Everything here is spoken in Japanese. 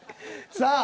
さあ！